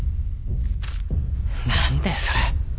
何だよそれ。